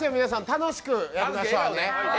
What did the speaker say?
楽しくやりましょうね。